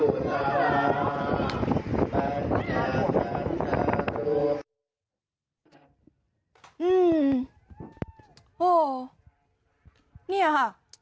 อืม